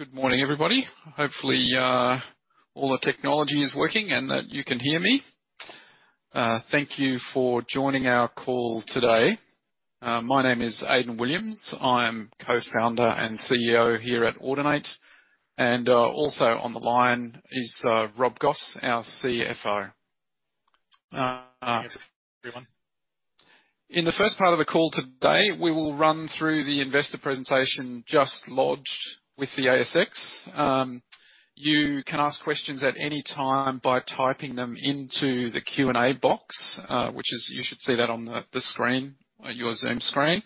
Well, good morning, everybody. Hopefully, all the technology is working and that you can hear me. Thank you for joining our call today. My name is Aidan Williams. I am Co-Founder and CEO here at Audinate, and also on the line is Rob Goss, our CFO. Good morning, everyone. In the first part of the call today, we will run through the investor presentation just lodged with the ASX. You can ask questions at any time by typing them into the Q&A box, which is, you should see that on the screen, your Zoom screen.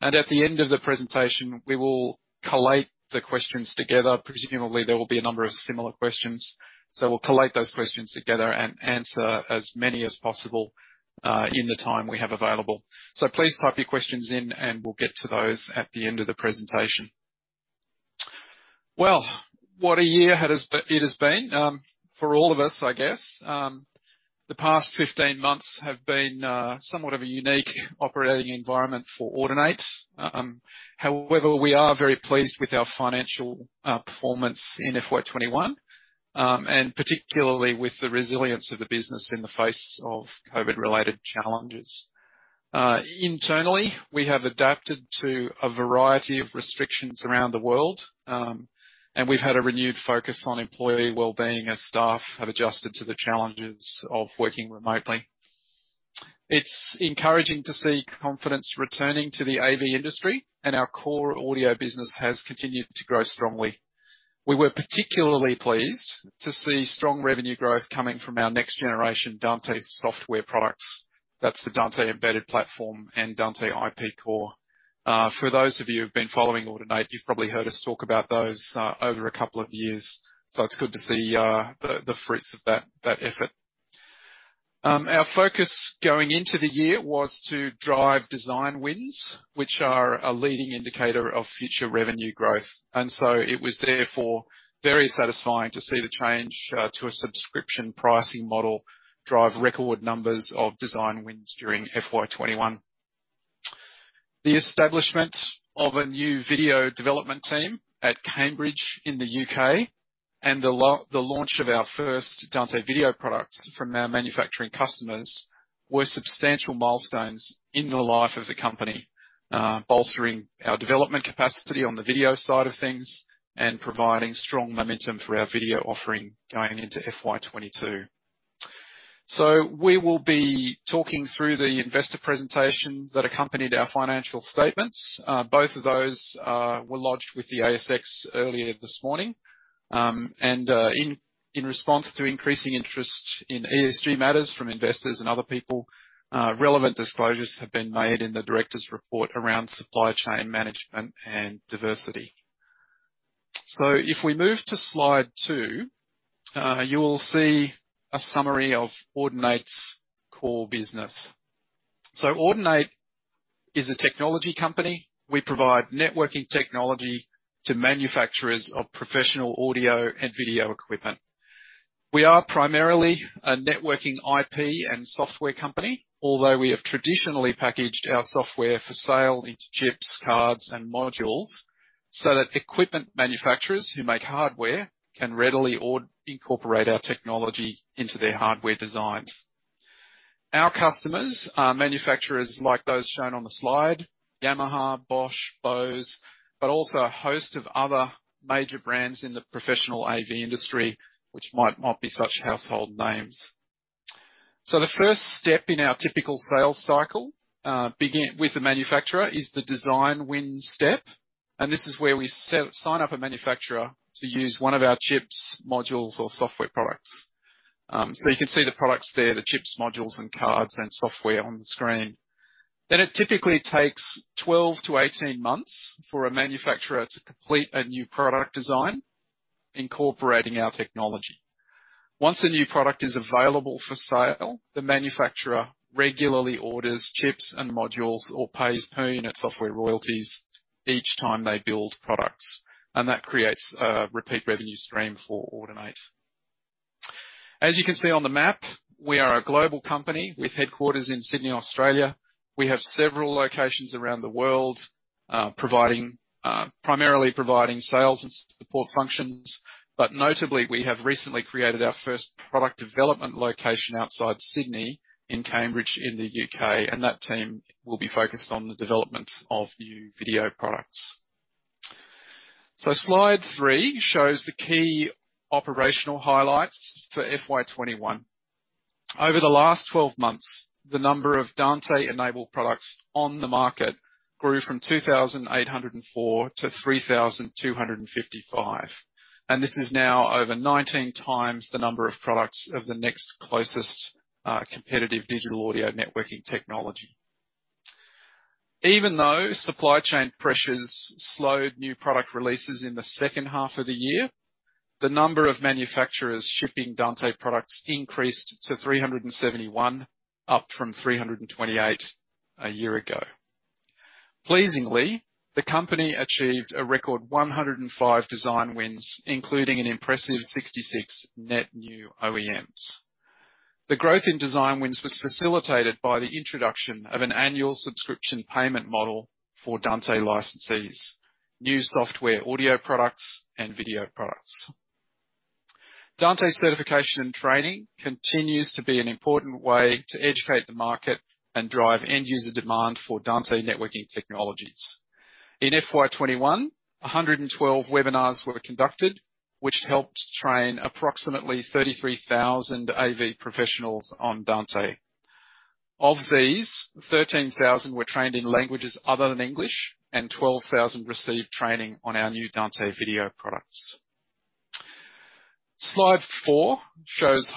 At the end of the presentation, we will collate the questions together. Presumably, there will be a number of similar questions, so we'll collate those questions together and answer as many as possible, in the time we have available. Please type your questions in, and we'll get to those at the end of the presentation. Well, what a year it has been, for all of us, I guess. The past 15 months have been, somewhat of a unique operating environment for Audinate. We are very pleased with our financial performance in FY 2021, and particularly with the resilience of the business in the face of COVID-related challenges. Internally, we have adapted to a variety of restrictions around the world, and we've had a renewed focus on employee well-being as staff have adjusted to the challenges of working remotely. It's encouraging to see confidence returning to the AV industry, and our core audio business has continued to grow strongly. We were particularly pleased to see strong revenue growth coming from our next generation Dante software products. That's the Dante Embedded Platform, and Dante IP Core. For those of you who've been following Audinate, you've probably heard us talk about those over a couple of years, so it's good to see the fruits of that effort. Our focus going into the year was to drive design wins, which are a leading indicator of future revenue growth. It was therefore very satisfying to see the change to a subscription pricing model drive record numbers of design wins during FY 2021. The establishment of a new video development team at Cambridge in the U.K. and the launch of our first Dante AVIO products from our manufacturing customers were substantial milestones in the life of the company, bolstering our development capacity on the video side of things and providing strong momentum for our AVIO offering going into FY 2022. We will be talking through the investor presentation that accompanied our financial statements. Both of those were lodged with the ASX earlier this morning. In response to increasing interest in ESG matters from investors and other people, relevant disclosures have been made in the director's report around supply chain management and diversity. If we move to slide two, you will see a summary of Audinate's core business. Audinate is a technology company. We provide networking technology to manufacturers of professional audio and video equipment. We are primarily a networking IP and software company, although we have traditionally packaged our software for sale into chips, cards, and modules so that equipment manufacturers who make hardware can readily incorporate our technology into their hardware designs. Our customers are manufacturers like those shown on the slide, Yamaha, Bosch, Bose, but also a host of other major brands in the Professional AV industry which might not be such household names. The first step in our typical sales cycle, begin with the manufacturer, is the design win step, and this is where we sign up a manufacturer to use one of our chips, modules, or software products. You can see the products there, the chips, modules and cards and software on the screen. It typically takes 12 to 18 months for a manufacturer to complete a new product design incorporating our technology. Once a new product is available for sale, the manufacturer regularly orders chips and modules or pays per unit software royalties each time they build products, and that creates a repeat revenue stream for Audinate. As you can see on the map, we are a global company with headquarters in Sydney, Australia. We have several locations around the world, primarily providing sales and support functions. But notably, we have recently created our first product development location outside Sydney in Cambridge in the U.K., and that team will be focused on the development of new video products. Slide three shows the key operational highlights for FY 2021. Over the last 12 months, the number of Dante-enabled products on the market grew from 2,804 to 3,255, and this is now over 19x the number of products of the next closest competitive Digital Audio Networking Technology. Even though supply chain pressures slowed new product releases in the second half of the year, the number of manufacturers shipping Dante products increased to 371, up from 328 a year ago. Pleasingly, the company achieved a record 105 design wins, including an impressive 66 net new OEMs. The growth in design wins was facilitated by the introduction of an annual subscription payment model for Dante licensees, new software audio products, and video products. Dante certification and training continues to be an important way to educate the market and drive end-user demand for Dante networking technologies. In FY 2021, 112 webinars were conducted, which helped train approximately 33,000 AV professionals on Dante. Of these, 13,000 were trained in languages other than English, and 12,000 received training on our new Dante AVIO products. Slide four shows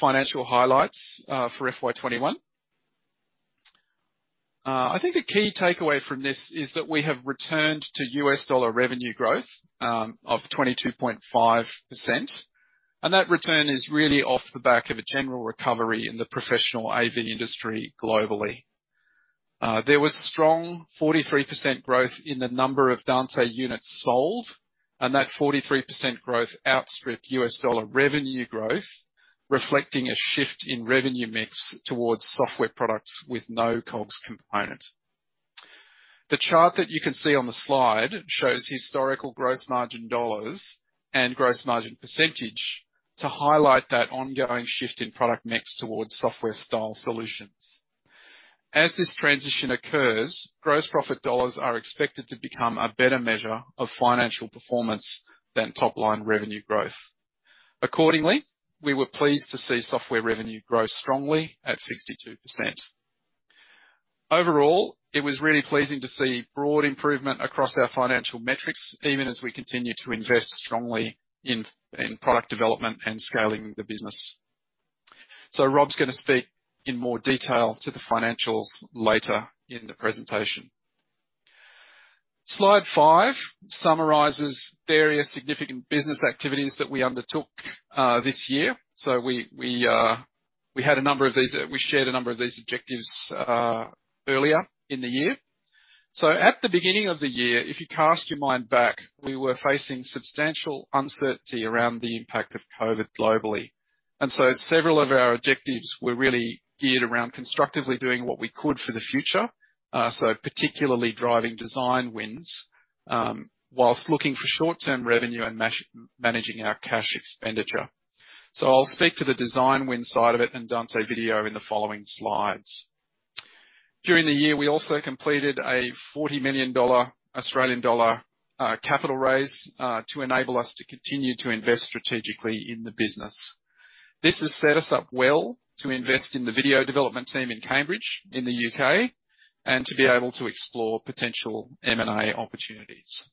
financial highlights for FY 2021. I think the key takeaway from this is that we have returned to U.S. dollar revenue growth of 22.5%, and that return is really off the back of a general recovery in the Professional AV industry globally. There was strong 43% growth in the number of Dante units sold. That 43% growth outstripped U.S. dollar revenue growth, reflecting a shift in revenue mix towards software products with no COGS component. The chart that you can see on the slide shows historical gross margin dollars and gross margin percentage to highlight that ongoing shift in product mix towards software style solutions. As this transition occurs, gross profit dollars are expected to become a better measure of financial performance than top-line revenue growth. Accordingly, we were pleased to see software revenue grow strongly at 62%. Overall, it was really pleasing to see broad improvement across our financial metrics, even as we continue to invest strongly in product development and scaling the business. Rob's going to speak in more detail to the financials later in the presentation. Slide five summarizes various significant business activities that we undertook this year. We shared a number of these objectives earlier in the year. At the beginning of the year, if you cast your mind back, we were facing substantial uncertainty around the impact of COVID globally. And so, several of our objectives were really geared around constructively doing what we could for the future. Particularly driving design wins, whilst looking for short-term revenue and managing our cash expenditure. So, I'll speak to the design win side of it and Dante video in the following slides. During the year, we also completed a 40 million Australian dollar capital raise to enable us to continue to invest strategically in the business. This has set us up well to invest in the video development team in Cambridge, in the U.K., and to be able to explore potential M&A opportunities.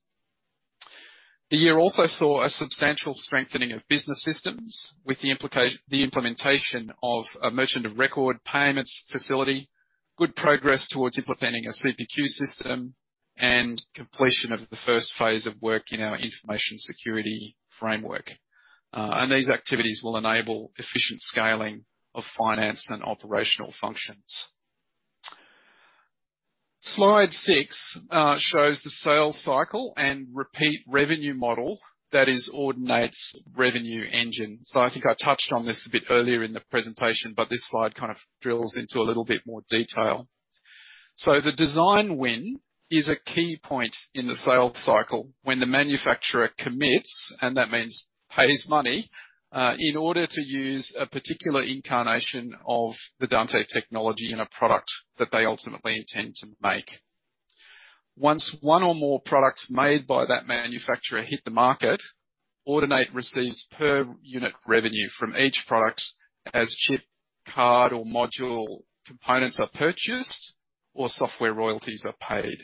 The year also saw a substantial strengthening of business systems with the implementation of a merchant of record payments facility, good progress towards implementing a CPQ system, and completion of the first phase of work in our information security framework. These activities will enable efficient scaling of finance and operational functions. Slide six shows the sales cycle and repeat revenue model that is Audinate's revenue engine. I think I touched on this a bit earlier in the presentation, but this slide drills into a little bit more detail. The design win is a key point in the sales cycle when the manufacturer commits, and that means pays money, in order to use a particular incarnation of the Dante technology in a product that they ultimately intend to make. Once one or more products made by that manufacturer hit the market, Audinate receives per unit revenue from each product as chip, card, or module components are purchased or software royalties are paid.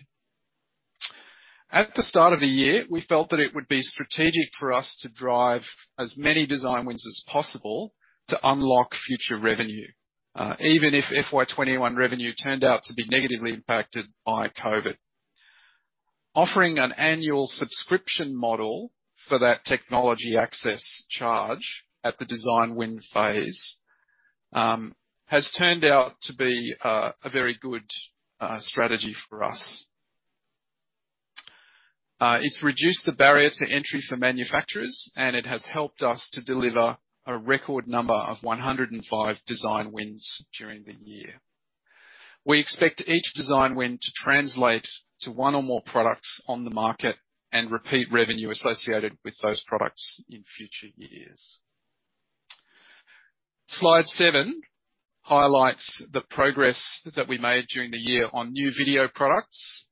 At the start of the year, we felt that it would be strategic for us to drive as many design wins as possible to unlock future revenue, even if FY 2021 revenue turned out to be negatively impacted by COVID. Offering an annual subscription model for that technology access charge at the design win phase, has turned out to be a very good strategy for us. It's reduced the barrier to entry for manufacturers, and it has helped us to deliver a record number of 105 design wins during the year. We expect each design win to translate to one or more products on the market and repeat revenue associated with those products in future years. Slide seven highlights the progress that we made during the year on new video products.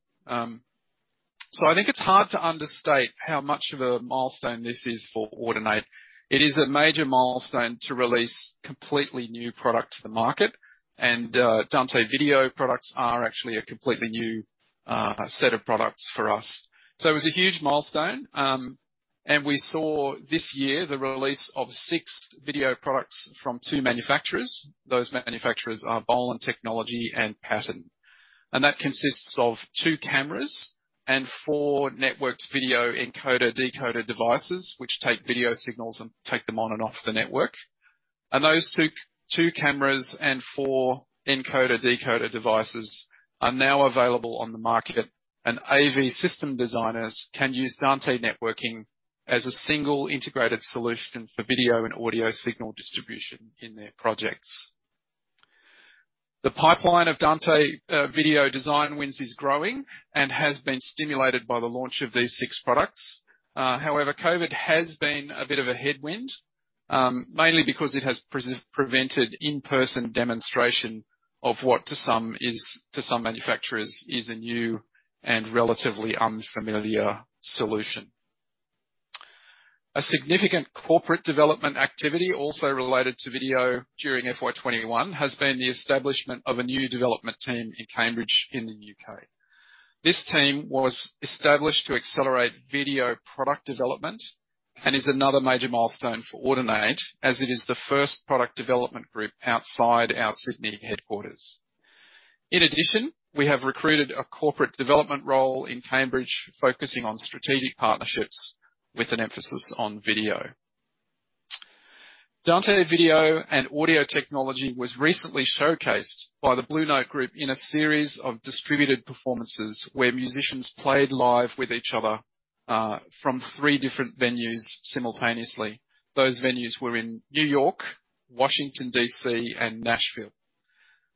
So, I think it's hard to understate how much of a milestone this is for Audinate. It is a major milestone to release completely new product to the market. Dante AVIO products are actually a completely new set of products for us. It was a huge milestone, and we saw this year the release of six video products from two manufacturers. Those manufacturers are Bolin Technology and Patton Electronics. That consists of two cameras, and four networked video encoder/decoder devices, which take video signals and take them on and off the network. Those two cameras, and four encoder/decoder devices are now available on the market, and AV system designers can use Dante networking as a single integrated solution for video and audio signal distribution in their projects. The pipeline of Dante AVIO design wins is growing and has been stimulated by the launch of these six products. However, COVID has been a bit of a headwind, mainly because it has prevented in-person demonstration of what to some manufacturers is a new and relatively unfamiliar solution. A significant corporate development activity also related to video during FY 2021 has been the establishment of a new development team in Cambridge in the U.K. This team was established to accelerate video product development and is another major milestone for Audinate as it is the first product development group outside our Sydney headquarters. In addition, we have recruited a corporate development role in Cambridge focusing on strategic partnerships, with an emphasis on video. Dante AVO and audio technology was recently showcased by the Blue Note Group in a series of distributed performances where musicians played live with each other from three different venues simultaneously. Those venues were in New York, Washington, D.C., and Nashville.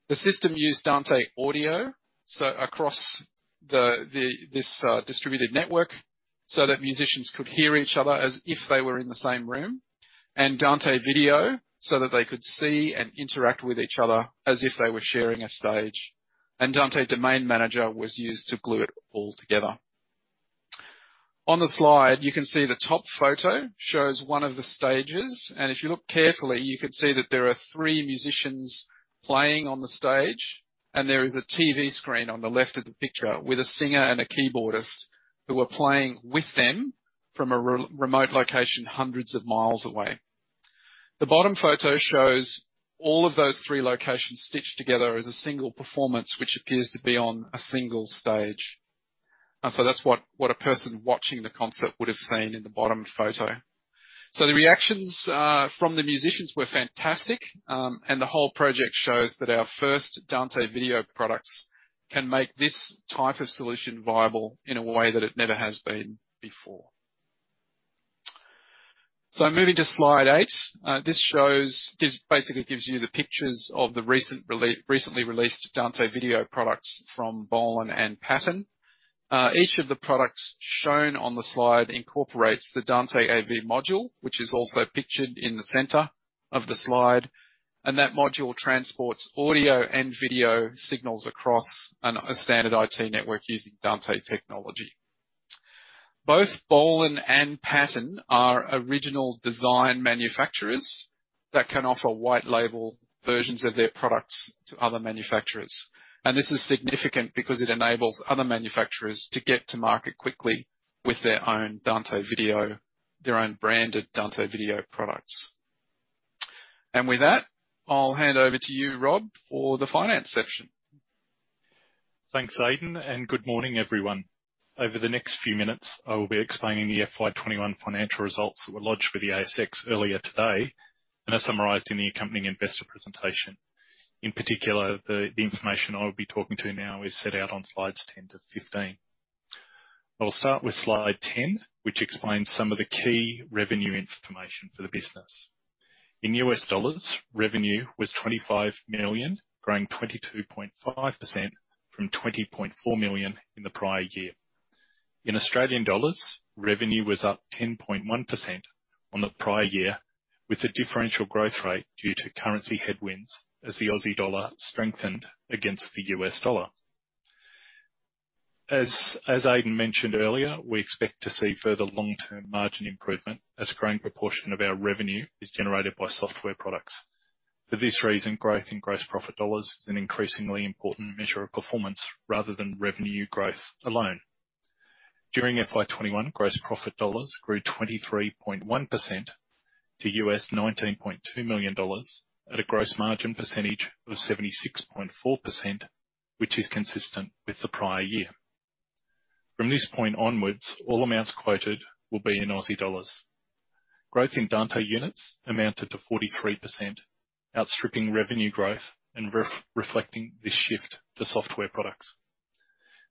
The system used Dante audio, so across this distributed network so that musicians could hear each other as if they were in the same room, and Dante AVO so that they could see and interact with each other as if they were sharing a stage. Dante Domain Manager was used to glue it all together. On the slide, you can see the top photo shows one of the stages, and if you look carefully, you can see that there are three musicians playing on the stage, and there is a TV screen on the left of the picture with a singer and a keyboardist who are playing with them from a remote location hundreds of miles away. The bottom photo shows all of those three locations stitched together as a single performance, which appears to be on a single stage. That's what a person watching the concert would've seen in the bottom photo. The reactions from the musicians were fantastic, and the whole project shows that our first Dante AVO products can make this type of solution viable in a way that it never has been before. Moving to slide eight. This basically gives you the pictures of the recently released Dante AVO products from Bolin and Patton. Each of the products shown on the slide incorporates the Dante AV Module, which is also pictured in the center of the slide. That module transports audio and video signals across a standard IT network using Dante technology. Both Bolin and Patton are original design manufacturers that can offer white label versions of their products to other manufacturers. This is significant because it enables other manufacturers to get to market quickly with their own branded Dante AVO products. With that, I'll hand over to you, Rob, for the finance section. Thanks, Aidan. Good morning, everyone. Over the next few minutes, I will be explaining the FY 2021 financial results that were lodged with the ASX earlier today, and are summarized in the accompanying investor presentation. In particular, the information I will be talking to now is set out on slides 10-15. I will start with slide 10, which explains some of the key revenue information for the business. In U.S. dollars, revenue was $25 million, growing 22.5% from $20.4 million in the prior year. In Australian dollars, revenue was up 10.1% on the prior year with a differential growth rate due to currency headwinds as the Aussie dollar strengthened against the U.S. dollar. As Aidan mentioned earlier, we expect to see further long-term margin improvement as a growing proportion of our revenue is generated by software products. For this reason, growth in gross profit dollars is an increasingly important measure of performance rather than revenue growth alone. During FY 2021, gross profit dollars grew 23.1% to $19.2 million at a gross margin percentage of 76.4%, which is consistent with the prior year. From this point onwards, all amounts quoted will be in Aussie dollars. Growth in Dante units amounted to 43%, outstripping revenue growth and reflecting this shift to software products.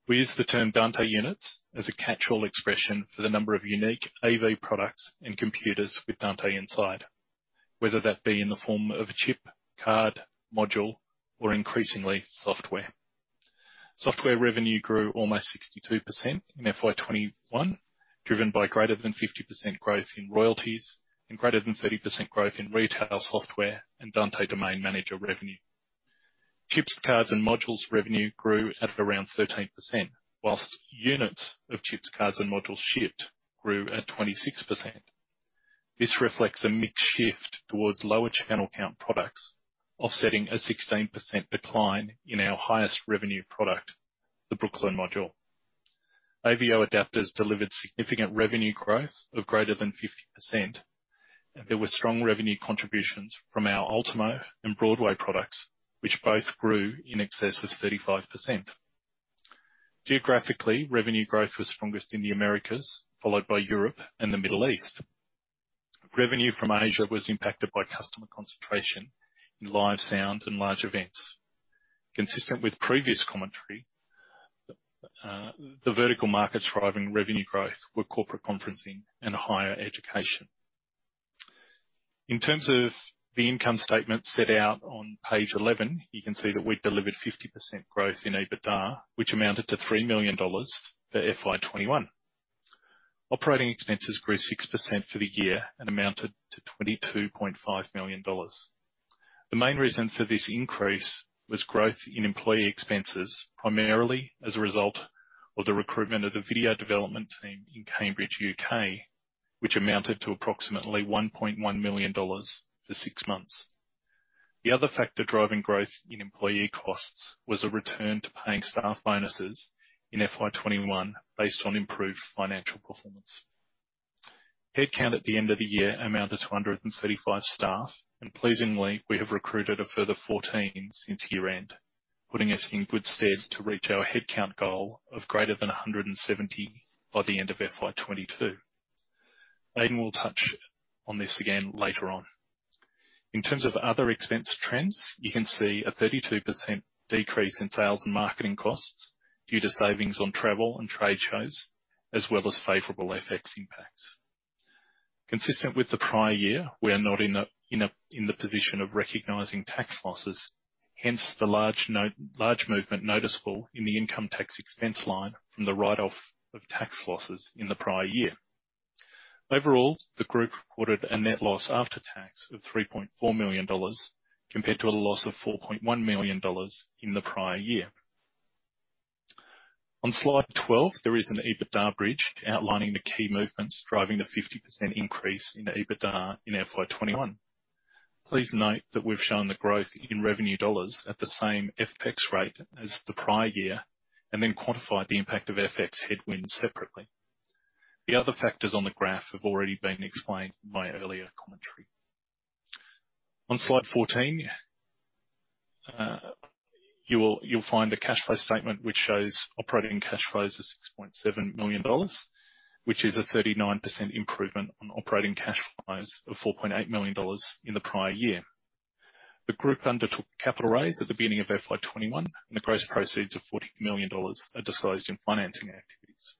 We use the term Dante units as a catchall expression for the number of unique AV products and computers with Dante inside, whether that be in the form of a chip, card, module, or increasingly, software. Software revenue grew almost 62% in FY 2021, driven by greater than 50% growth in royalties and greater than 30% growth in retail software and Dante Domain Manager revenue. Chips, cards, and modules revenue grew at around 13%, whilst units of chips, cards, and modules shipped grew at 26%. This reflects a mix shift towards lower channel count products, offsetting a 16% decline in our highest revenue product, the Brooklyn module. AVIO adaptors delivered significant revenue growth of greater than 50%, and there were strong revenue contributions from our Ultimo and Broadway products, which both grew in excess of 35%. Geographically, revenue growth was strongest in the Americas, followed by Europe and the Middle East. Revenue from Asia was impacted by customer concentration in live sound and large events. Consistent with previous commentary, the vertical markets driving revenue growth were corporate conferencing and higher education. In terms of the income statement set out on page 11, you can see that we delivered 50% growth in EBITDA, which amounted to 3 million dollars for FY 2021. Operating expenses grew 6% for the year and amounted to 22.5 million dollars. The main reason for this increase was growth in employee expenses, primarily as a result of the recruitment of the AVIO development team in Cambridge, U.K., which amounted to approximately 1.1 million dollars for six months. The other factor driving growth in employee costs was a return to paying staff bonuses in FY 2021 based on improved financial performance. Headcount at the end of the year amounted to 135 staff, and pleasingly, we have recruited a further 14 since year-end, putting us in good stead to reach our headcount goal of greater than 170 by the end of FY 2022. Aidan will touch on this again later on. In terms of other expense trends, you can see a 32% decrease in sales and marketing costs due to savings on travel and trade shows, as well as favorable FX impacts. Consistent with the prior year, we are not in the position of recognizing tax losses, hence the large movement noticeable in the income tax expense line from the write-off of tax losses in the prior year. Overall, the group reported a net loss after tax of 3.4 million dollars, compared to a loss of 4.1 million dollars in the prior year. On slide 12, there is an EBITDA bridge outlining the key movements driving the 50% increase in EBITDA in FY 2021. Please note that we've shown the growth in revenue dollars at the same FX rate as the prior year, and then quantified the impact of FX headwind separately. The other factors on the graph have already been explained in my earlier commentary. On Slide 14, you'll find a cash flow statement which shows operating cash flows of 6.7 million dollars, which is a 39% improvement on operating cash flows of 4.8 million dollars in the prior year. The group undertook a capital raise at the beginning of FY 2021, and the gross proceeds of AUD 40 million are disclosed in financing activities.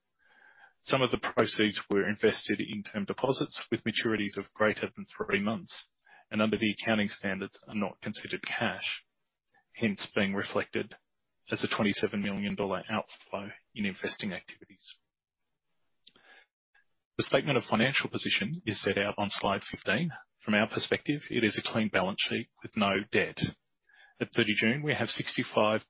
Some of the proceeds were invested in term deposits with maturities of greater than three months, and under the accounting standards, are not considered cash, hence being reflected as an 27 million dollar outflow in investing activities. The statement of financial position is set out on slide 15. From our perspective, it is a clean balance sheet with no debt. At 30 June, we have 65.4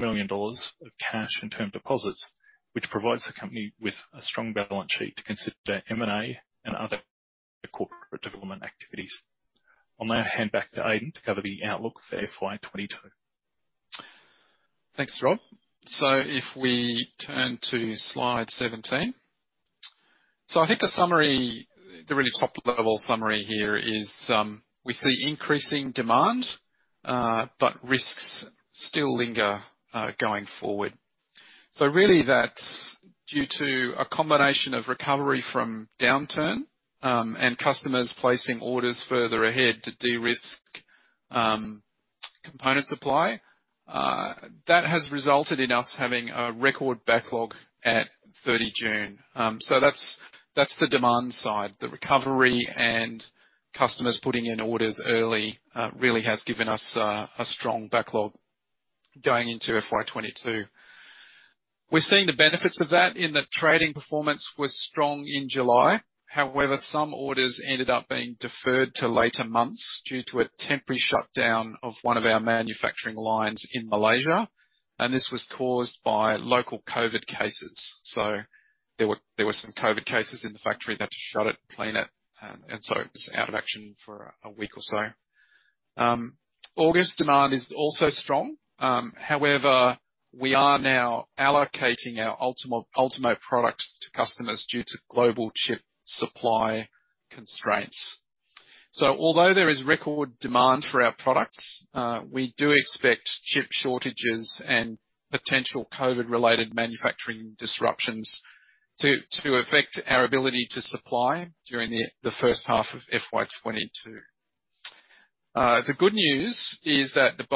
million dollars of cash and term deposits, which provides the company with a strong balance sheet to consider M&A and other corporate development activities. I will now hand back to Aidan to cover the outlook for FY 2022. Thanks, Rob. If we turn to slide 17. I think the summary, the really top level summary here is we see increasing demand, but risks still linger going forward. Really that's due to a combination of recovery from downturn, and customers placing orders further ahead to de-risk component supply. That has resulted in us having a record backlog at 30 June. That's the demand side. The recovery and customers putting in orders early really has given us a strong backlog going into FY 2022. We're seeing the benefits of that in that trading performance was strong in July. However, some orders ended up being deferred to later months due to a temporary shutdown of one of our manufacturing lines in Malaysia. This was caused by local COVID cases. There were some COVID cases in the factory. They had to shut it, clean it was out of action for a week or so. August demand is also strong. However, we are now allocating our Ultimo products to customers due to global chip supply constraints. Although there is record demand for our products, we do expect chip shortages and potential COVID-related manufacturing disruptions to affect our ability to supply during the first half of FY 2022. The good news is that the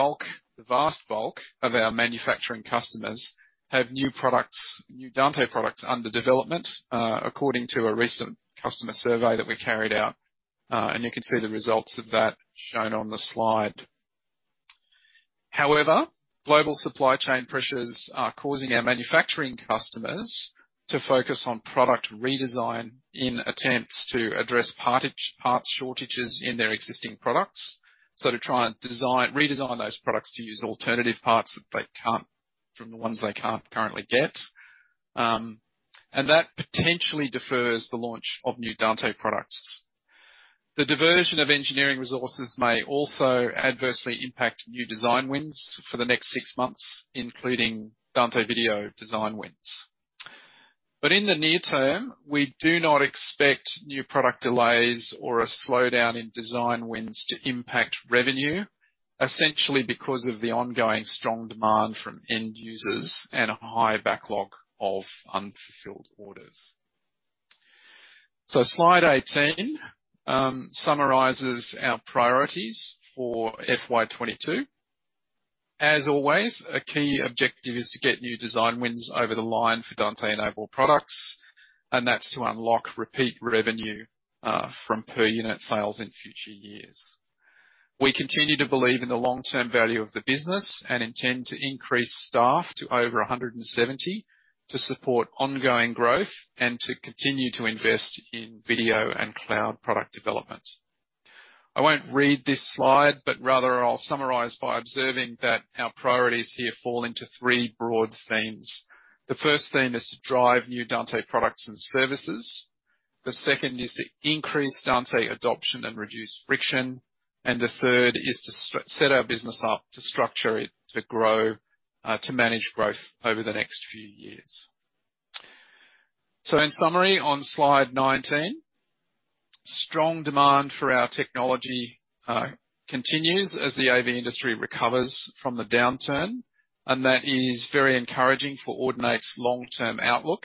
vast bulk of our manufacturing customers have new products, new Dante products under development, according to a recent customer survey that we carried out. You can see the results of that shown on the slide. However, global supply chain pressures are causing our manufacturing customers to focus on product redesign in attempts to address parts shortages in their existing products. To try and redesign those products to use alternative parts from the ones they can't currently get. That potentially defers the launch of new Dante products. The diversion of engineering resources may also adversely impact new design wins for the next six months, including Dante AVO design wins. In the near term, we do not expect new product delays or a slowdown in design wins to impact revenue. Essentially because of the ongoing strong demand from end users and a high backlog of unfulfilled orders. So, slide 18 summarizes our priorities for FY 2022. As always, a key objective is to get new design wins over the line for Dante-enabled products, and that's to unlock repeat revenue from per unit sales in future years. We continue to believe in the long-term value of the business and intend to increase staff to over 170 to support ongoing growth and to continue to invest in video and cloud product development. I won't read this slide, but rather I'll summarize by observing that our priorities here fall into three broad themes. The first theme is to drive new Dante products and services. The second is to increase Dante adoption and reduce friction, and the third is to set our business up to structure it, to manage growth over the next few years. In summary, on slide 19, strong demand for our technology continues as the AV industry recovers from the downturn, and that is very encouraging for Audinate's long-term outlook.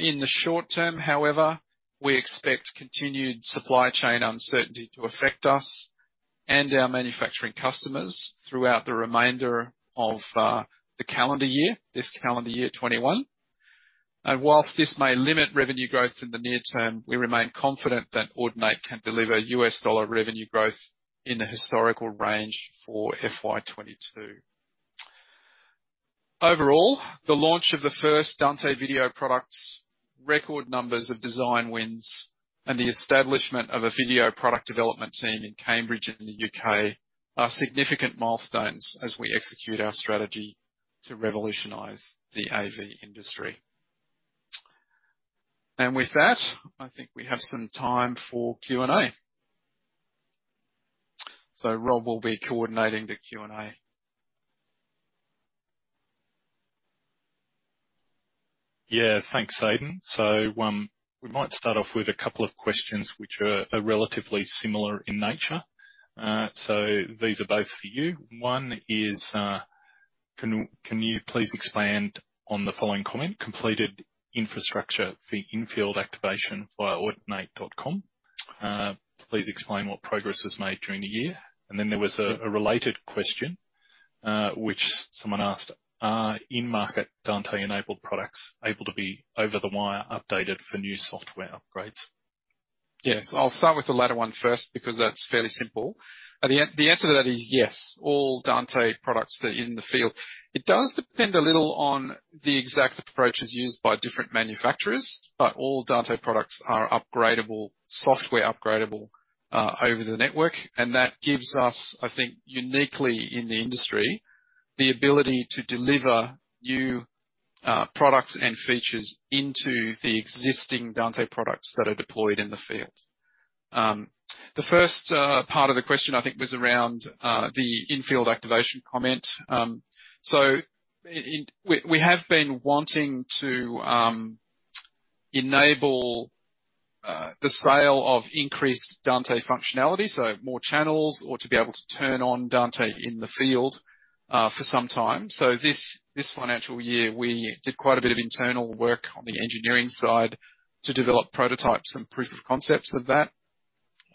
In the short term, however, we expect continued supply chain uncertainty to affect us and our manufacturing customers throughout the remainder of the calendar year, this calendar year, 2021. Whilst this may limit revenue growth in the near term, we remain confident that Audinate can deliver U.S. dollar revenue growth in the historical range for FY 2022. Overall, the launch of the first Dante AVO products, record numbers of design wins, and the establishment of a video product development team in Cambridge in the U.K. are significant milestones as we execute our strategy to revolutionize the AV industry. With that, I think we have some time for Q&A. Rob will be coordinating the Q&A. Yeah. Thanks, Aidan. We might start off with a couple of questions, which are relatively similar in nature. These are both for you. One is, can you please expand on the following comment? Completed infrastructure for in-field activation via audinate.com. Please explain what progress was made during the year? There was a related question, which someone asked, are in-market Dante-enabled products able to be over-the-wire updated for new software upgrades? Yes. I'll start with the latter one first because that's fairly simple. The answer to that is yes, all Dante products that are in the field. It does depend a little on the exact approaches used by different manufacturers, but all Dante products are upgradeable, software upgradeable, over the network. That gives us, I think, uniquely in the industry, the ability to deliver new products and features into the existing Dante products that are deployed in the field. The first part of the question, I think, was around the in-field activation comment. We have been wanting to enable the scale of increased Dante functionality, so more channels or to be able to turn on Dante in the field, for some time. This financial year, we did quite a bit of internal work on the engineering side to develop prototypes and proof of concepts of that.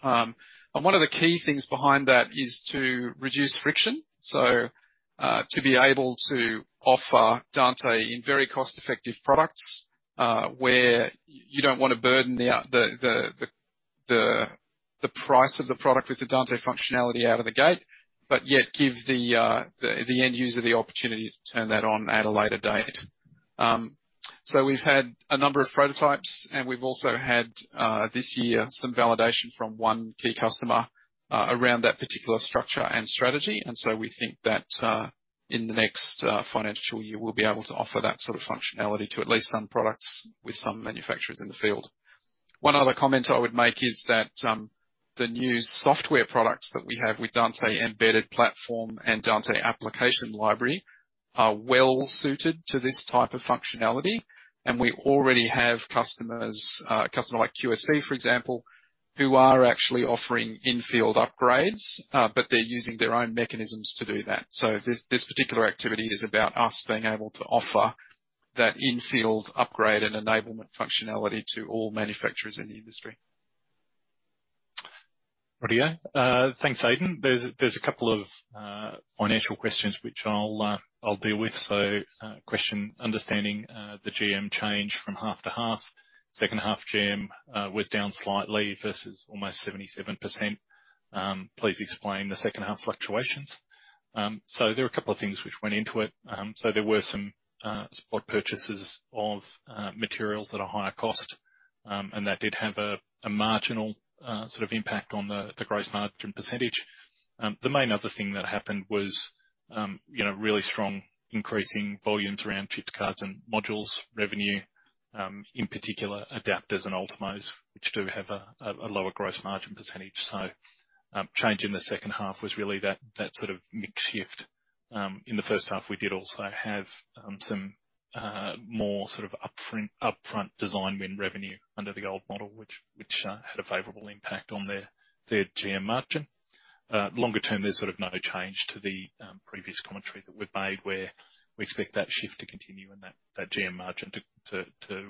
One of the key things behind that is to reduce friction. To be able to offer Dante in very cost-effective products, where you don't want to burden the price of the product with the Dante functionality out of the gate, but yet give the end user the opportunity to turn that on at a later date. We've had a number of prototypes, and we've also had, this year, some validation from one key customer around that particular structure and strategy. We think that, in the next financial year, we'll be able to offer that sort of functionality to at least some products with some manufacturers in the field. One other comment I would make is that the new software products that we have with Dante Embedded Platform, and Dante Application Library are well suited to this type of functionality, and we already have customers, a customer like QSC, for example, who are actually offering in-field upgrades, but they're using their own mechanisms to do that. This particular activity is about us being able to offer that in-field upgrade and enablement functionality to all manufacturers in the industry. Righty-o. Thanks, Aidan. There is a couple of financial questions which I will deal with. Question, understanding the GM change from half to half. Second half GM was down slightly versus almost 77%. Please explain the second-half fluctuations. There were a couple of things which went into it. There were some spot purchases of materials at a higher cost, and that did have a marginal impact on the gross margin percentage. The main other thing that happened was really strong increasing volumes around chip cards and modules revenue, in particular adapters and Ultimos, which do have a lower gross margin percentage. Change in the second half was really that sort of mix shift. In the first half, we did also have some more upfront design win revenue under the old model, which had a favorable impact on their GM margin. Longer term, there's no change to the previous commentary that we've made, where we expect that shift to continue and that GM margin to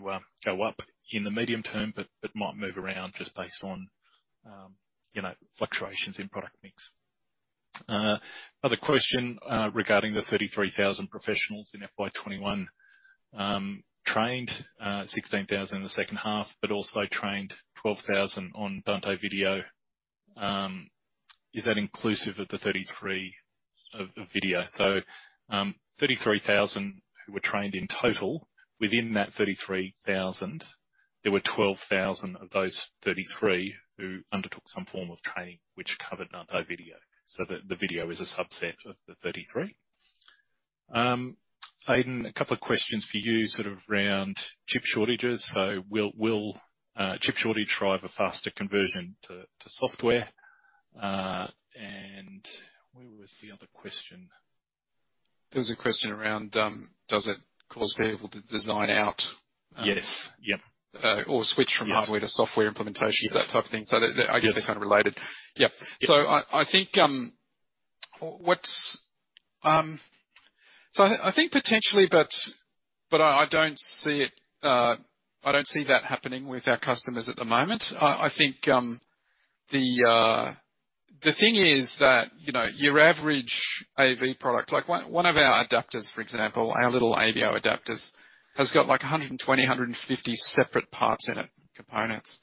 go up in the medium term, but it might move around just based on fluctuations in product mix. Other question regarding the 33,000 professionals in FY 2021 trained, 16,000 in the second half, but also trained 12,000 on Dante AVIO. Is that inclusive of the 33,000 of AVIO? So, 33,000 who were trained in total. Within that 33,000, there were 12,000 of those 33,000 who undertook some form of training which covered Dante AVIO. The AV is a subset of the 33. Aidan, a couple of questions for you around chip shortages. Will chip shortage drive a faster conversion to software? Where was the other question? There was a question around does it cause people to design out? Yes. Yep. Or switch from hardware to software implementations, that type of thing. I guess they're kind of related. Yep. So, I think, what's.. So, i think, potentially, but I don't see that happening with our customers at the moment. I think the thing is that your average AV product, like one of our adapters, for example, our little AVIO adapters, has got like 120, 150 separate parts in it, components.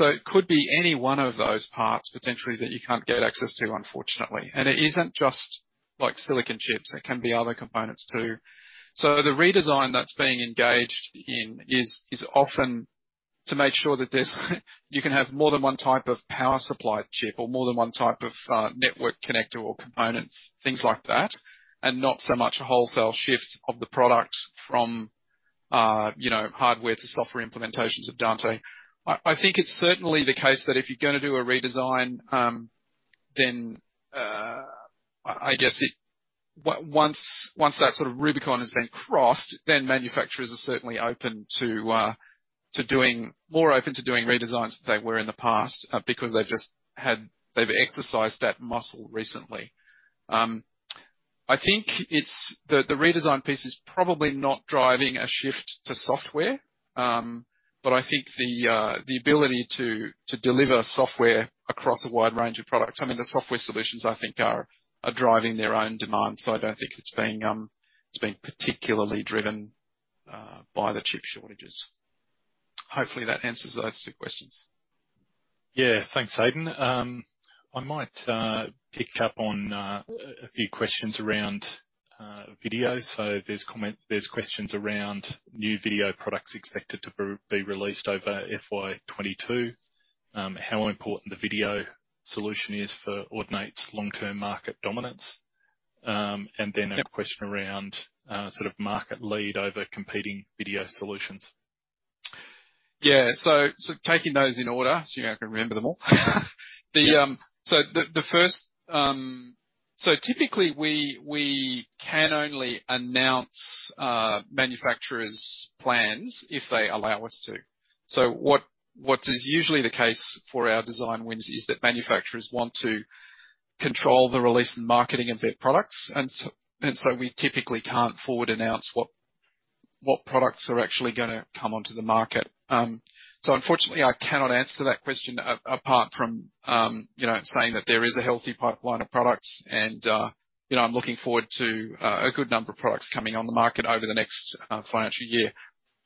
It could be any one of those parts potentially that you can't get access to, unfortunately. It isn't just silicon chips. It can be other components too. The redesign that's being engaged in is often to make sure that you can have more than one type of power supply chip or more than one type of network connector or components, things like that, and not so much a wholesale shift of the product from hardware to software implementations of Dante. I think it's certainly the case that if you're going to do a redesign, then I guess once that RUBICON has been crossed, then manufacturers are certainly more open to doing redesigns than they were in the past, because they've exercised that muscle recently. I think the redesign piece is probably not driving a shift to software. I think the ability to deliver software across a wide range of products. The software solutions, I think, are driving their own demand. I don't think it's been particularly driven by the chip shortages. Hopefully, that answers those two questions. Yeah. Thanks, Aidan. I might pick up on a few questions around videos. There's questions around new video products expected to be released over FY 2022, how important the video solution is for Audinate's long-term market dominance, and then, a question around market lead over competing video solutions? Yeah. Taking those in order, seeing I can remember them all. The, the first.. So, typically, we, we can only announce a manufacturer's plans if they allow us to. What is usually the case for our design wins is that manufacturers want to control the release and marketing of their products. We typically can't forward announce what products are actually going to come onto the market. Unfortunately, I cannot answer that question apart from saying that there is a healthy pipeline of products, and I'm looking forward to a good number of products coming on the market over the next financial year.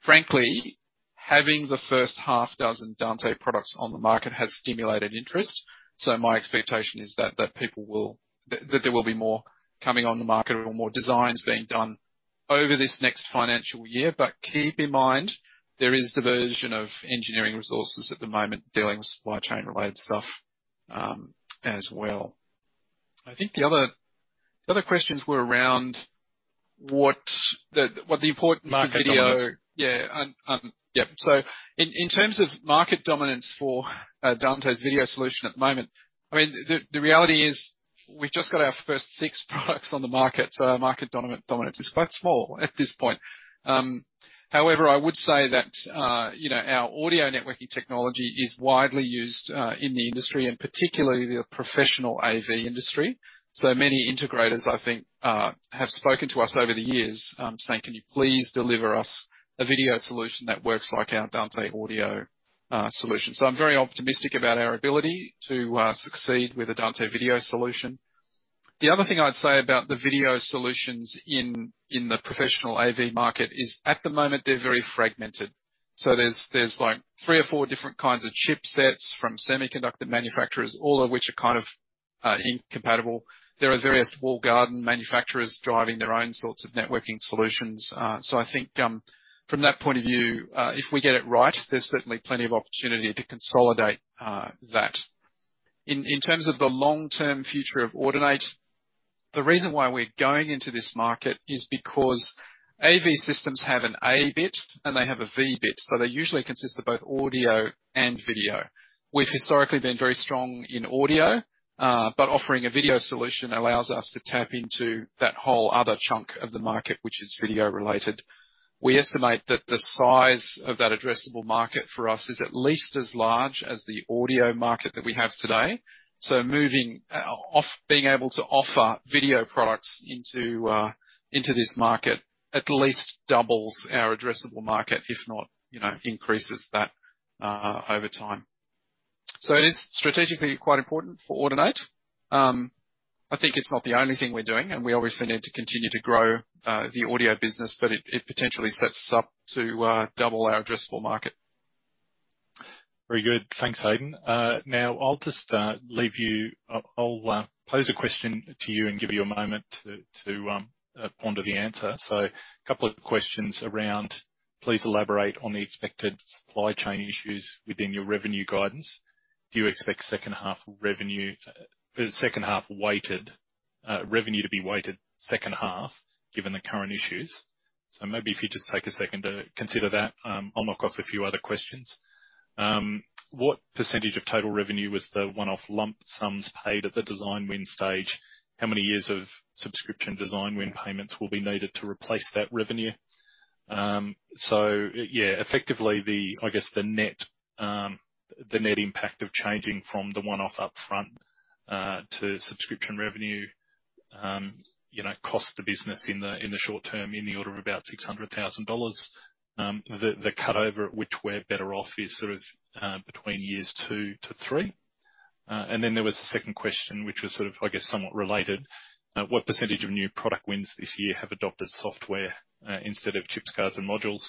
Frankly, having the first half-dozen Dante products on the market has stimulated interest. My expectation is that there will be more coming on the market or more designs being done over this next financial year. Keep in mind, there is diversion of engineering resources at the moment dealing with supply chain-related stuff as well. I think the other questions were around what the importance of AVIO. Market dominance. Yeah. In terms of market dominance for Dante's AVIO Solution at the moment, the reality is we've just got our first six products on the market, so our market dominance is quite small at this point. However, I would say that our Audio Networking Technology is widely used in the industry, and particularly the Professional AV industry. Many integrators, I think, have spoken to us over the years, saying, "Can you please deliver us a video solution that works like our Dante audio solution?" I'm very optimistic about our ability to succeed with a Dante AVIO solution. The other thing I'd say about the video solutions in the professional AV market is at the moment, they're very fragmented. There's like three or four different kinds of chipsets from semiconductor manufacturers, all of which are kind of incompatible. There are various walled garden manufacturers driving their own sorts of networking solutions. I think from that point of view, if we get it right, there's certainly plenty of opportunity to consolidate that. In terms of the long-term future of Audinate, the reason why we're going into this market is because AV systems have an A bit and they have a V bit, they usually consist of both audio and video. We've historically been very strong in audio, offering a video solution allows us to tap into that whole other chunk of the market, which is video-related. We estimate that the size of that addressable market for us is at least as large as the audio market that we have today. Being able to offer video products into this market at least doubles our addressable market, if not increases that over time. It is strategically quite important for Audinate. I think it's not the only thing we're doing, and we obviously need to continue to grow the audio business, but it potentially sets us up to double our addressable market. Very good. Thanks, Aidan. Now I'll pose a question to you and give you a moment to ponder the answer. Couple of questions around, please elaborate on the expected supply chain issues within your revenue guidance. Do you expect second half revenue.. Second half-weighted revenue to be weighted second half given the current issues? Maybe if you just take a second to consider that, I'll knock off a few other questions. What percentage of total revenue was the one-off lump sums paid at the design win stage? How many years of subscription design win payments will be needed to replace that revenue? So, yeah. Effectively, the net impact of changing from the one-off upfront to subscription revenue costs the business in the short term in the order of about 600,000 dollars. The cut over which we're better off is sort of between years two to three. There was a second question, which was sort of somewhat related. What % of new product wins this year have adopted software instead of chips, cards, and modules?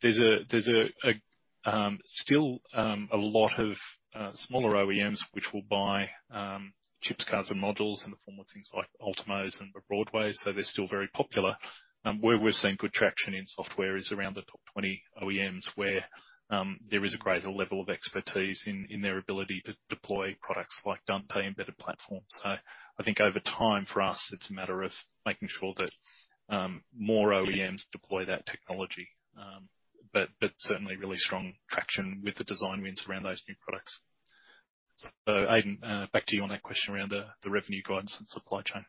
There's still a lot of smaller OEMs which will buy chips, cards, and modules in the form of things like Ultimos and the Broadway, so they're still very popular. Where we're seeing good traction in software is around the top 20 OEMs, where there is a greater level of expertise in their ability to deploy products like Dante Embedded Platform. I think over time, for us, it's a matter of making sure that more OEMs deploy that technology. Certainly really strong traction with the design wins around those new products. Aidan, back to you on that question around the revenue guidance and supply chain.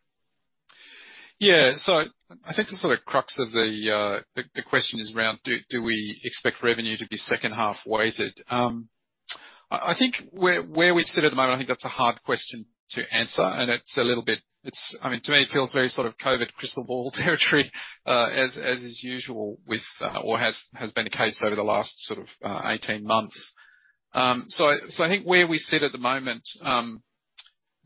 I think the crux of the question is around, do we expect revenue to be second half-weighted? Where we sit at the moment, I think that's a hard question to answer, and it's a little bit, it's.. To me, it feels very sort of COVID crystal ball territory, as is usual or has been the case over the last 18 months. I think where we sit at the moment,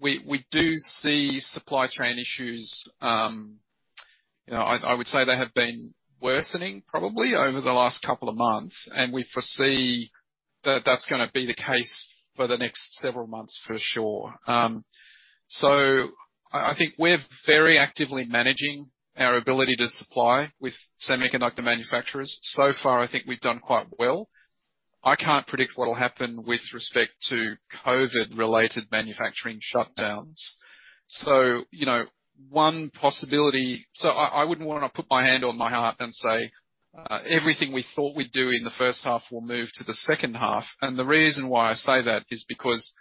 we do see supply chain issues. I would say they have been worsening probably over the last couple of months, and we foresee that that's going to be the case for the next several months for sure. I think we're very actively managing our ability to supply with semiconductor manufacturers. So far, I think we've done quite well. I can't predict what'll happen with respect to COVID-related manufacturing shutdowns. So, you know, one possibility, I wouldn't want to put my hand on my heart and say, everything we thought we'd do in the first half will move to the second half. The reason why I say that is because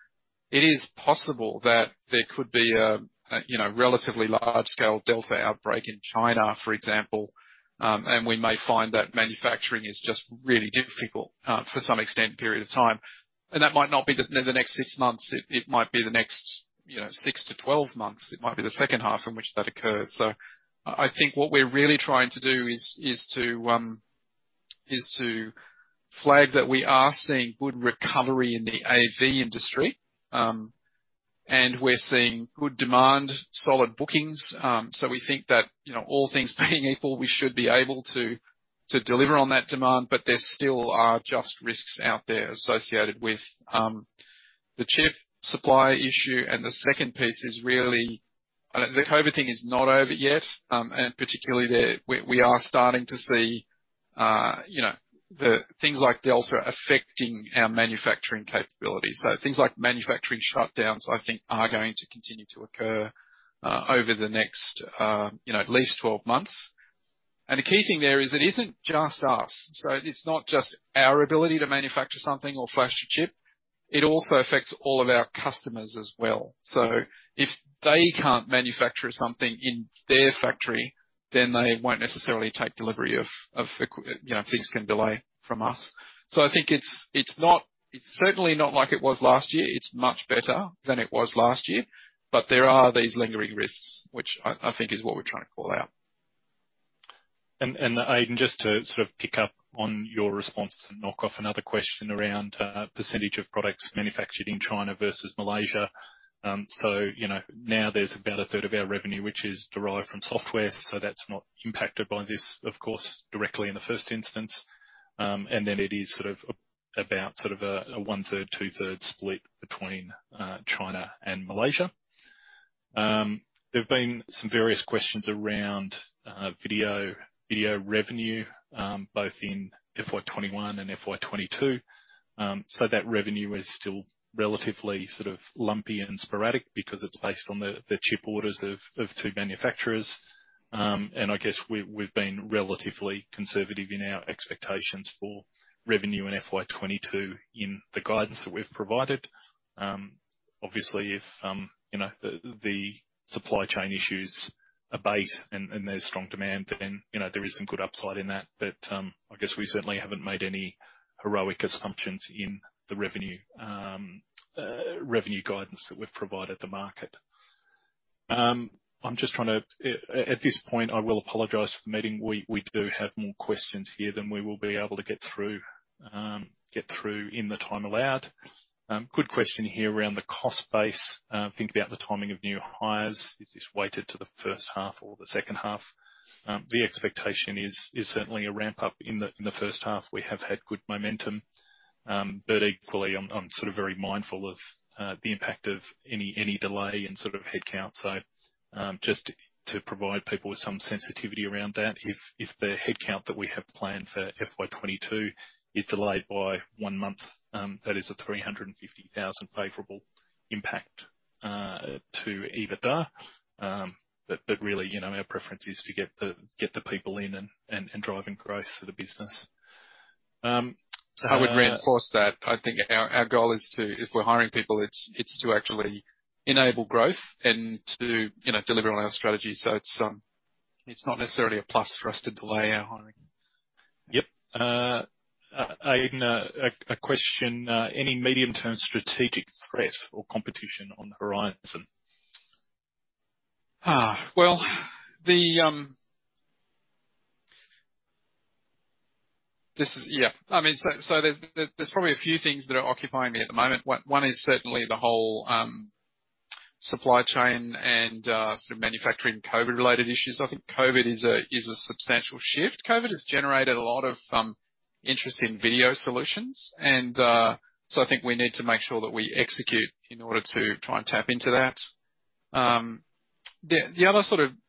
it is possible that there could be a relatively large-scale Delta outbreak in China, for example, and we may find that manufacturing is just really difficult for some extent period of time. That might not be just in the next six months. It might be the next six to 12 months. It might be the second half in which that occurs. I think what we're really trying to do is to flag that we are seeing good recovery in the AV industry. We're seeing good demand, solid bookings. We think that, all things being equal, we should be able to deliver on that demand, but there still are just risks out there associated with the chip supply issue, and the second piece is really the COVID thing is not over yet. Particularly, we are starting to see things like Delta affecting our manufacturing capabilities. Things like manufacturing shutdowns, I think are going to continue to occur over the next at least 12 months. The key thing there is it isn't just us. It's not just our ability to manufacture something or flash a chip. It also affects all of our customers as well. If they can't manufacture something in their factory, then they won't necessarily take delivery. Things can delay from us. I think it's certainly not like it was last year. It's much better than it was last year. There are these lingering risks, which I think is what we're trying to call out. Aidan, just to pick up on your response and knock off another question around percentage of products manufactured in China versus Malaysia. Now there's about a third of our revenue which is derived from software, so that's not impacted by this, of course, directly in the first instance. Then it is about a 1/3, 2/3 split between China and Malaysia. There've been some various questions around video revenue, both in FY 2021 and FY 2022. That revenue is still relatively lumpy and sporadic because it's based on the chip orders of two manufacturers. I guess we've been relatively conservative in our expectations for revenue in FY 2022 in the guidance that we've provided. Obviously, if the supply chain issues abate and there's strong demand, then there is some good upside in that. I guess we certainly haven't made any heroic assumptions in the revenue guidance that we've provided the market. At this point, I will apologize for the meeting. We do have more questions here than we will be able to get through in the time allowed. Good question here around the cost base. Thinking about the timing of new hires, is this weighted to the first half or the second half? The expectation is certainly a ramp-up in the first half. We have had good momentum. But equally, I'm very mindful of the impact of any delay in headcount. Just to provide people with some sensitivity around that, if the headcount that we have planned for FY 2022 is delayed by one month, that is an 350,000 favorable impact to EBITDA. Really, our preference is to get the people in and driving growth for the business. I would reinforce that. I think our goal is if we're hiring people, it's to actually enable growth and to deliver on our strategy. It's not necessarily a plus for us to delay our hiring. Yep. Aidan, a question. Any medium-term strategic threat or competition on the horizon? There's probably a few things that are occupying me at the moment. One is certainly the whole supply chain and manufacturing COVID-related issues. I think COVID is a substantial shift. COVID has generated a lot of interest in video solutions. I think we need to make sure that we execute in order to try and tap into that. The other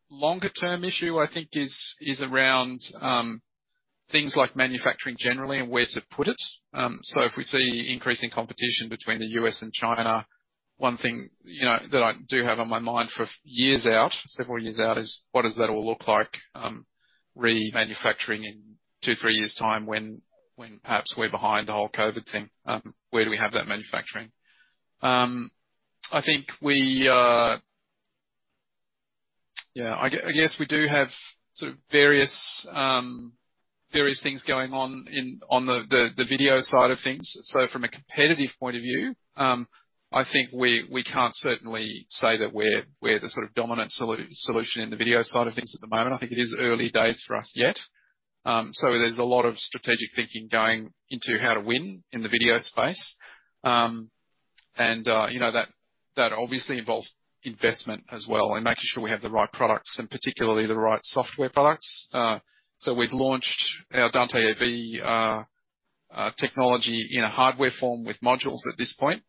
longer-term issue, I think, is around things like manufacturing generally and where to put it. If we see increasing competition between the U.S. and China, one thing that I do have on my mind for years out, several years out, is what does that all look like, re-manufacturing in two, three years' time when perhaps we're behind the whole COVID thing? Where do we have that manufacturing? I guess we do have various things going on the video side of things. From a competitive point of view, I think we can't certainly say that we're the dominant solution in the video side of things at the moment. I think it is early days for us yet. There's a lot of strategic thinking going into how to win in the video space. That obviously involves investment as well and making sure we have the right products and particularly the right software products. We've launched our Dante AV technology in a hardware form with modules at this point.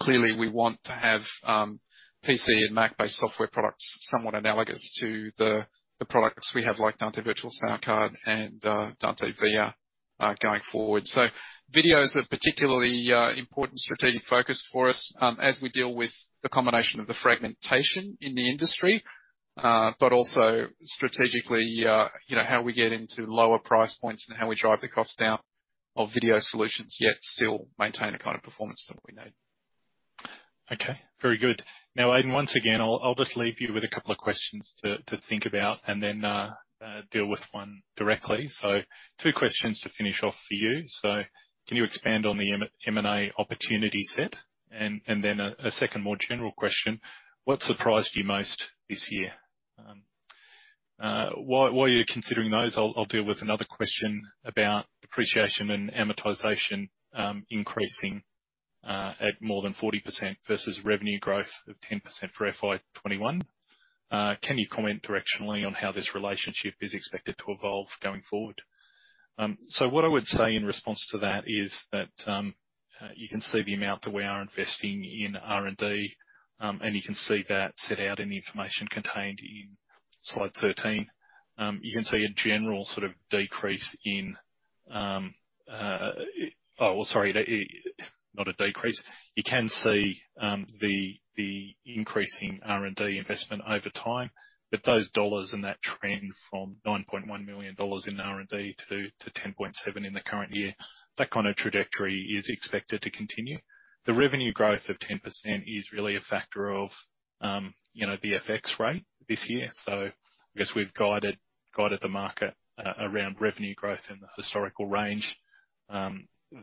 Clearly we want to have PC and Mac-based software products somewhat analogous to the products we have, like Dante Virtual Soundcard and Dante AVIO going forward. Video is a particularly important strategic focus for us as we deal with the combination of the fragmentation in the industry, but also strategically how we get into lower price points and how we drive the cost down of video solutions, yet still maintain the kind of performance that we need. Okay. Very good. Now, Aidan, once again, I'll just leave you with a couple of questions to think about and then deal with one directly. Two questions to finish off for you. Can you expand on the M&A opportunity set? Then a second, more general question, what surprised you most this year? While you're considering those, I'll deal with another question about depreciation and amortization increasing at more than 40% versus revenue growth of 10% for FY 2021. Can you comment directionally on how this relationship is expected to evolve going forward? What I would say in response to that is that you can see the amount that we are investing in R&D, and you can see that set out in the information contained in slide 13. You can see a general decrease in, well, sorry, not a decrease. You can see the increasing R&D investment over time. Those dollars and that trend from 9.1 million dollars in R&D to 10.7 million in the current year, that kind of trajectory is expected to continue. The revenue growth of 10% is really a factor of the FX rate this year. I guess we've guided the market around revenue growth in the historical range.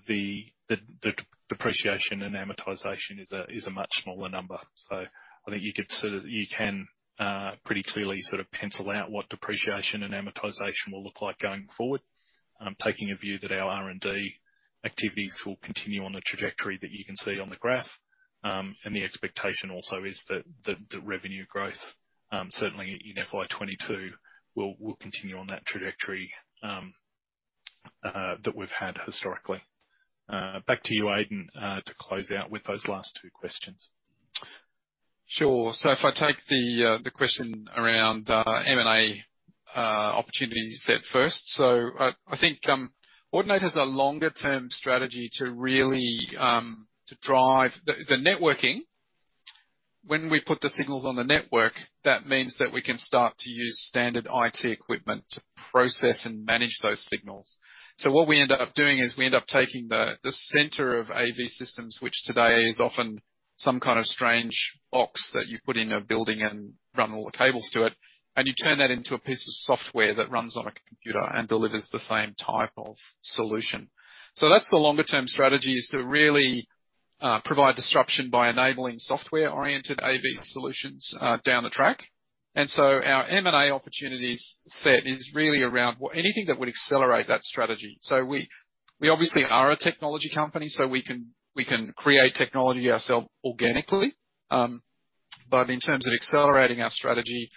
The depreciation and amortization is a much smaller number. I think you can pretty clearly pencil out what depreciation and amortization will look like going forward. I'm taking a view that our R&D activities will continue on the trajectory that you can see on the graph. The expectation also is that the revenue growth, certainly in FY 2022, will continue on that trajectory that we've had historically. Back to you, Aidan, to close out with those last two questions. Sure. If I take the question around M&A opportunity set first. I think Audinate has a longer-term strategy to really, drive the networking. When we put the signals on the network, that means that we can start to use standard IT equipment to process and manage those signals. What we end up doing is we end up taking the center of AV systems, which today is often some kind of strange box that you put in a building and run all the cables to it, and you turn that into a piece of software that runs on a computer and delivers the same type of solution. That's the longer-term strategy, is to really provide disruption by enabling software-oriented AV solutions down the track. Our M&A opportunities set is really around anything that would accelerate that strategy. We obviously are a technology company, we can create technology ourselves organically. In terms of accelerating our strategy,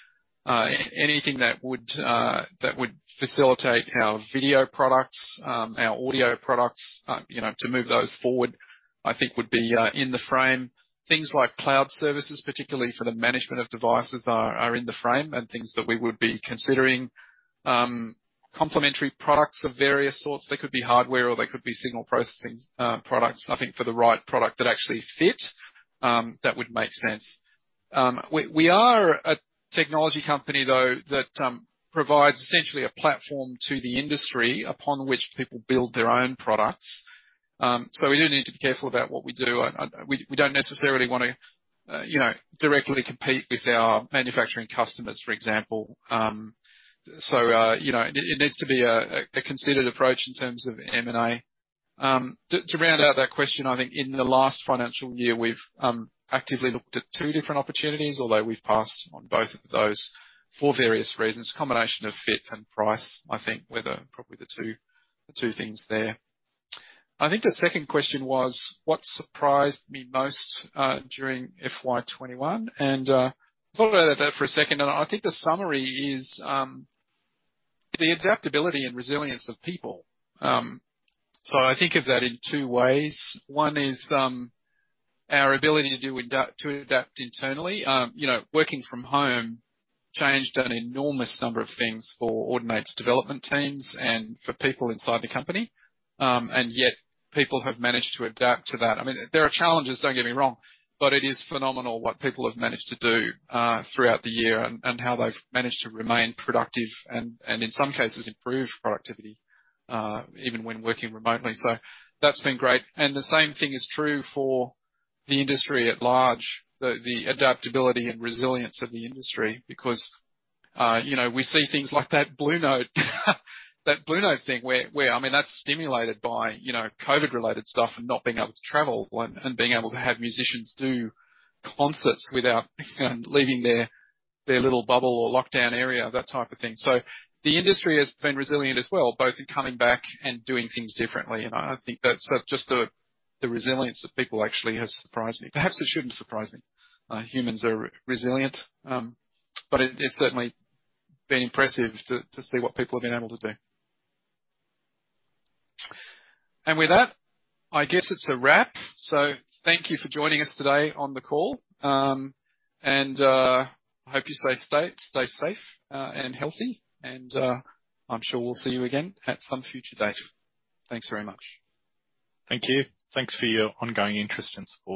anything that would facilitate our video products, our audio products, to move those forward, I think would be in the frame. Things like cloud services, particularly for the management of devices, are in the frame and things that we would be considering. Complementary products of various sorts. They could be hardware or they could be signal processing products. I think for the right product that actually fit, that would make sense. We are a technology company, though, that provides essentially a platform to the industry upon which people build their own products. We do need to be careful about what we do, and we don't necessarily want to directly compete with our manufacturing customers, for example. It needs to be a considered approach in terms of M&A. To round out that question, I think in the last financial year, we've actively looked at two different opportunities, although we've passed on both of those for various reasons. Combination of fit and price, I think were probably the two things there. I think the second question was, what surprised me most during FY 2021? I thought about that for a second, and I think the summary is the adaptability and resilience of people. I think of that in two ways. One is our ability to adapt internally. Working from home changed an enormous number of things for Audinate's development teams and for people inside the company, and yet people have managed to adapt to that. There are challenges, don't get me wrong. It is phenomenal what people have managed to do throughout the year and how they've managed to remain productive and in some cases improve productivity, even when working remotely. That's been great. The same thing is true for the industry at large, the adaptability and resilience of the industry, because we see things like that Blue Note thing, where that's stimulated by COVID-related stuff and not being able to travel and being able to have musicians do concerts without leaving their little bubble or lockdown area, that type of thing. The industry has been resilient as well, both in coming back and doing things differently. I think that just the resilience of people actually has surprised me. Perhaps it shouldn't surprise me. Humans are resilient. It's certainly been impressive to see what people have been able to do. With that, I guess it's a wrap. Thank you for joining us today on the call. I hope you stay safe and healthy, and I'm sure we'll see you again at some future date. Thanks very much. Thank you. Thanks for your ongoing interest and support.